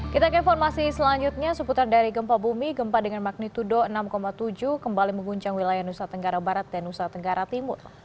kita ke informasi selanjutnya seputar dari gempa bumi gempa dengan magnitudo enam tujuh kembali mengguncang wilayah nusa tenggara barat dan nusa tenggara timur